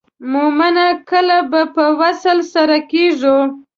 مومنه کله به په وصل سره کیږو.